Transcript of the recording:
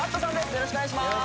よろしくお願いします